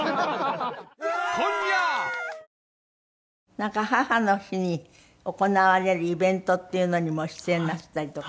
なんか母の日に行われるイベントっていうのにも出演なすったりとか？